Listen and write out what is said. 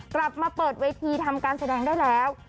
กลับมาเปิดเวทีทำการแสดงได้แล้ว